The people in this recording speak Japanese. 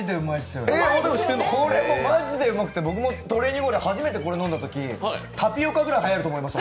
これマジでうまくて、僕もトレーニング後にこれ初めて飲んだときタピオカぐらいはやると思いました。